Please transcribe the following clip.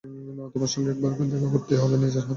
না, তোমার সঙ্গে একবার দেখা করতেই হত, নিজের কথা জানাতে।